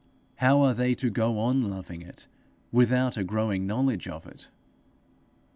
How are they to go on loving it without a growing knowledge of it?